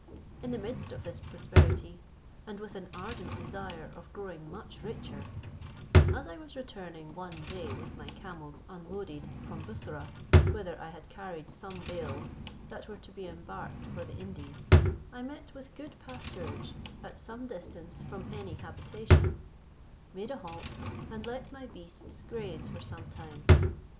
In the midst of this prosperity, and with an ardent desire of growing much richer, as I was returning one day with my camels unloaded from Bussorah, whither I had carried some bales that were to be embarked for the Indies, I met with good pasturage, at some distance from any habitation; made a halt, and let my beasts graze for some time.